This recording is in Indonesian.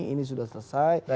ini sudah selesai